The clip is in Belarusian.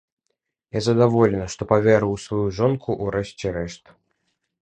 Я задаволены, што паверыў у сваю жонку, у рэшце рэшт.